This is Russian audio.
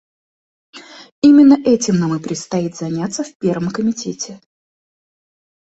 Именно этим нам и предстоит заняться в Первом комитете.